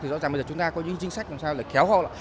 rõ ràng bây giờ chúng ta có những chính sách làm sao để khéo họ